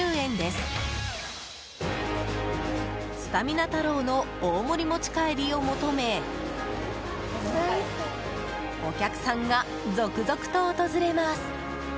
すたみな太郎の大盛り持ち帰りを求めお客さんが続々と訪れます。